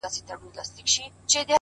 خدای په ژړا دی ـ خدای پرېشان دی ـ